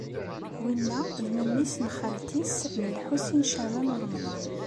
Winna d memmi-s n xalti-s n Lḥusin n Caɛban u Ṛemḍan.